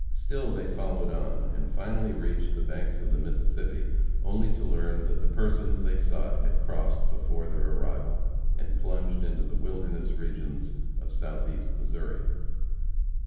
Still they followed on, and finally reached the banks of the Mississippi only to learn that the persons they sought had crossed before their arrival, and plunged into the wilderness regions of Southeast Missouri.